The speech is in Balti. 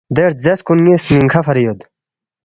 دے رزیس کُن ن٘ئ سنِنکھہ فری یود